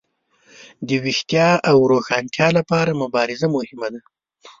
د ویښتیا او روښانتیا لپاره مبارزه مهمه وه.